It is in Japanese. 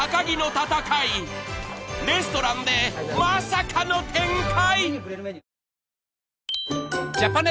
［レストランでまさかの展開！？］